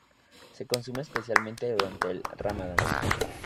Se consume especialmente durante el Ramadán.